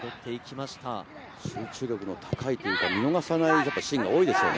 集中力の高いというか、見逃せないシーンが多いですよね。